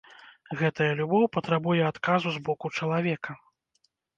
Гэтая любоў патрабуе адказу з боку чалавека.